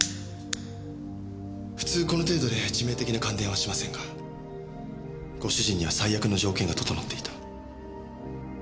普通この程度で致命的な感電はしませんがご主人には最悪の条件が整っていた。